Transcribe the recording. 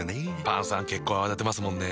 パンさん結構泡立てますもんね。